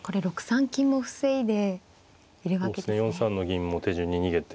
４三の銀も手順に逃げて。